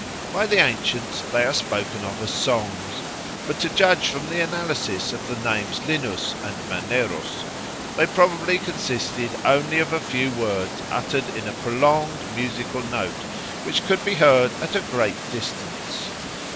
By the ancients they are spoken of as songs; but to judge from the analysis of the names Linus and Maneros, they probably consisted only of a few words uttered in a prolonged musical note which could be heard at a great distance.